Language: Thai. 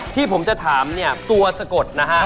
ที่ผมจะถามเนี่ยตัวสะกดนะฮะ